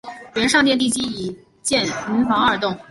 原上殿地基上已建民房二幢。